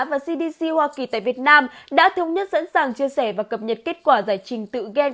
và cdc hoa kỳ tại việt nam đã thống nhất sẵn sàng chia sẻ và cập nhật kết quả giải trình tự gam